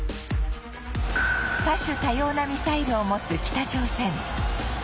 多種多様なミサイルを持つ北朝鮮